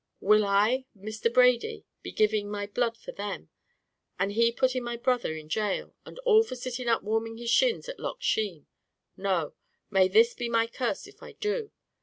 Will I, Mr. Brady, be giving my blood for them, and he putting my brother in gaol, and all for sitting up warming his shins at Loch Sheen? No; may this be my curse if I do!"